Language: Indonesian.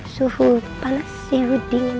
suhu panas suhu dingin